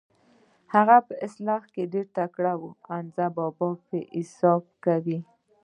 هغه په اصلاح کې ډېر تکړه و، حمزه بابا پرې حساب کاوه.